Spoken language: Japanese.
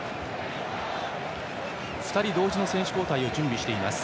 ２人同時の選手交代を準備しています。